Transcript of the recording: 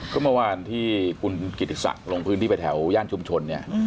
ก็เมื่อวานที่ปุ่นกิจศักดิ์ลงพื้นที่ไปแถวย่านชุมชน